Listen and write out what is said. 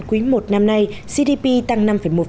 quý một năm nay gdp tăng năm một